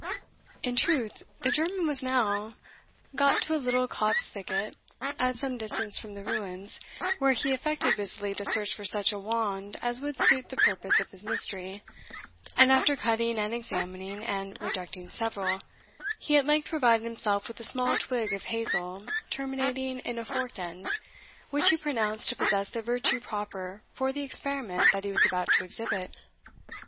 In truth, the German was now got to a little copse thicket at some distance from the ruins, where he affected busily to search for such a wand as would suit the purpose of his mystery: and after cutting and examining, and rejecting several, he at length provided himself with a small twig of hazel terminating in a forked end, which he pronounced to possess the virtue proper for the experiment that he was about to exhibit.